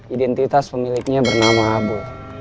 identitas pemiliknya bernama abu